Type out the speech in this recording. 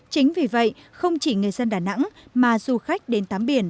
chính vì vậy không chỉ người dân đà nẵng mà du khách đến tắm biển